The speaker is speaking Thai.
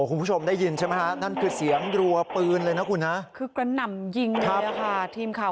โอ้คุณผู้ชมได้ยินใช่ไหมตัวนั้นคือเสียงรัวปืนเลยนะไหวนะคุณค๊าคือกระนำยิงแล้วเราทีมข่าว